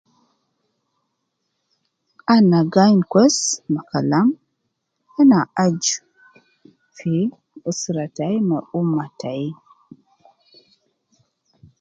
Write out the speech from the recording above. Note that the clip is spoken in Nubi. Ana gainu kweis kalam ana aju fi usra tayi ma ummah tayi.